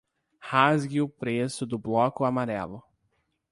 Rasgue o preço do bloco amarelo.